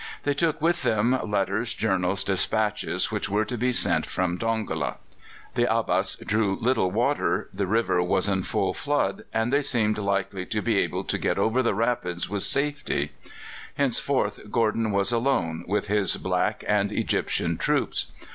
They took with them letters, journals, dispatches which were to be sent from Dongola. The Abbas drew little water, the river was in full flood, and they seemed likely to be able to get over the rapids with safety. Henceforth Gordon was alone with his black and Egyptian troops.